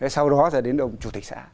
sau đó là đến ông chủ tịch xã